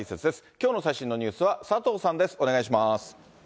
きょうの最新のニュースは佐藤さんです。